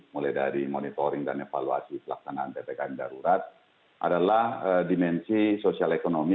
mulai dari monitoring dan evaluasi pelaksanaan ppkm darurat adalah dimensi sosial ekonomi